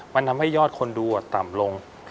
มันทำให้ยอดคนดูต่ำลง